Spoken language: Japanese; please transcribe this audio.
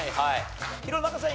弘中さん